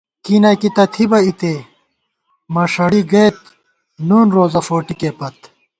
کی نہ کی تہ تھِبہ اِتے مَݭَڑی گئیت نُن روزہ فوٹِکےپت